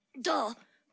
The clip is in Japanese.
「どう？」